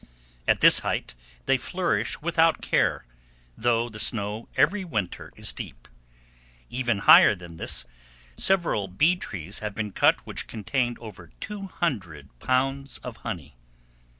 At this height they flourish without care, though the snow every winter is deep. Even higher than this several bee trees have been cut which contained over 200 pounds of honey.